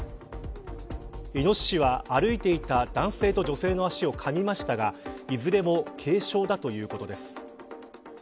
イノシシは歩いていた男性と女性の足をかみましたがいずれも軽傷だということです。